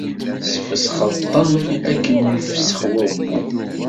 Tesfesxeḍ-ten akken ifessex wabbu.